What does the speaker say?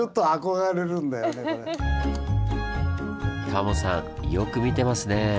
タモさんよく見てますね。